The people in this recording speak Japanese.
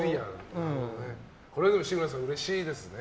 これは志村さんうれしいですね。